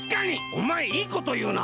おまえいいこというな。